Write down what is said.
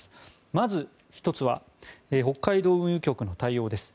まず１つは北海道運輸局の対応です。